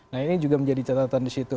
nah ini juga menjadi catatan di situ